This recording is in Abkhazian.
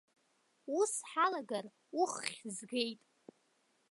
Ус ҳалагар, уххь згеит.